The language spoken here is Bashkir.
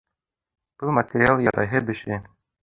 Был материал ярайһы беше